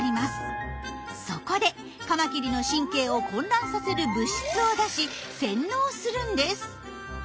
そこでカマキリの神経を混乱させる物質を出し洗脳するんです。